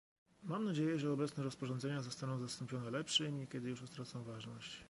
Mam nadzieję, że obecne rozporządzenia zostaną zastąpione lepszymi, kiedy już utracą ważność